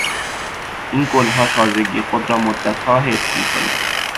این گلها تازگی خود را مدتها حفظ میکنند.